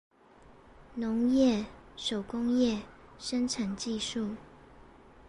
農業、手工業生產技術